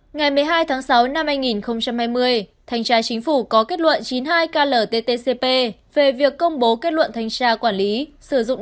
ngày một mươi hai tháng sáu năm hai nghìn hai mươi thành tra chính phủ có kết luận chín mươi hai klttcp về việc công bố kết luận thành tra quản lý